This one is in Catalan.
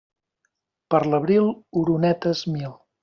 Per l'abril, oronetes mil.